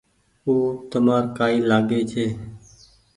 او تمآر ڪآئي لآگي ڇي۔